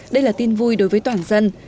đây là tin vui đối với toàn dân